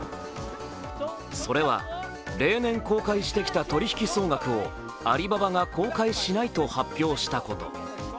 それは例年公開してきた取引総額をアリババが公開しないと発表したこと。